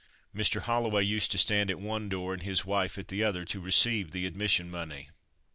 Mr. Holloway used to stand at one door and his wife at the other, to receive the admission money.